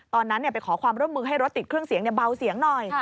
ตอนนั้นไปขอความร่วมมือให้รถติดเครื่องเสียงเบาเสียงหน่อย